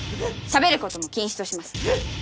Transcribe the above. しゃべることも禁止としますえっ？